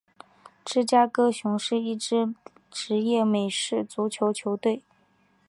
芝加哥熊是一支职业美式足球球队。